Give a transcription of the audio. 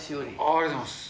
ありがとうございます。